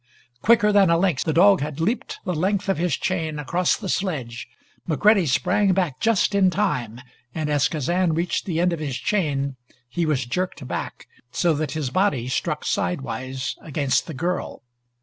Quicker than a lynx, the dog had leaped the length of his chain across the sledge. McCready sprang back just in time, and as Kazan reached the end of his chain he was jerked back so that his body struck sidewise against the girl.